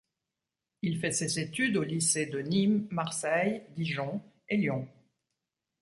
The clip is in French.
Il fait ses études aux lycées de Nîmes, Marseille, Dijon et Lyon.